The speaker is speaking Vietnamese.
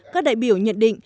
các đại biểu nhận định